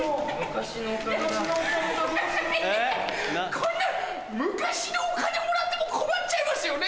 こんな昔のお金もらっても困っちゃいますよね！